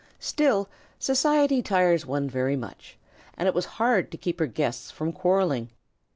Still, society tires one very much, and it was hard to keep her guests from quarrelling.